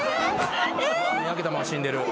目開けたまま死んでる。